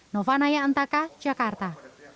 nova naya antaka jakarta